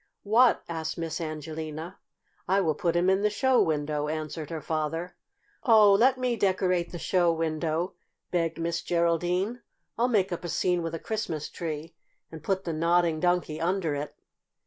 "What?" asked Miss Angelina. "I will put him in the show window," answered her father. "Oh, let me decorate the show window!" begged Miss Geraldine. "I'll make up a scene with a Christmas tree, and put the Nodding Donkey under it."